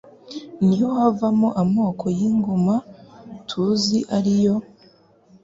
niho havamo amoko y'ingoma tuzi ariyo :